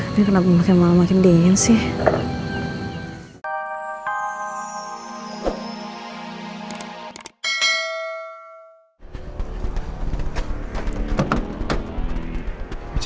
ini kenapa makin malam makin dingin sih